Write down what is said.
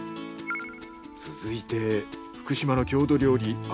続いて福島の郷土料理味